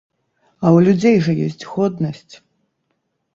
А ў людзей жа ёсць годнасць.